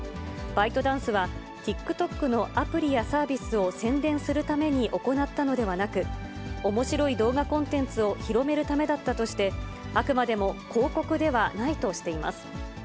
バイトダンスは、ＴｉｋＴｏｋのアプリやサービスを宣伝するために行ったのではなく、おもしろい動画コンテンツを広めるためだったとして、あくまでも広告ではないとしています。